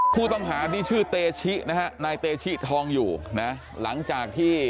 ผู้ต้องหานี่ชื่อเตชินะฮะนายเตชิทองอยู่นะหลังจากที่